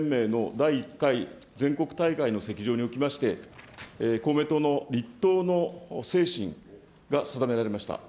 公明政治連盟の第１回全国大会の席上におきまして、公明党の立党の精神が定められました。